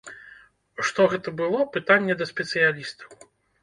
Што гэта было, пытанне да спецыялістаў.